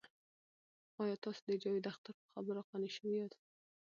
آیا تاسې د جاوید اختر په خبرو قانع شوي یاست؟